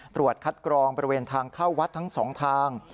ตรวจคัดกรองบริเวณทางเข้าวัดทั้งสองทาง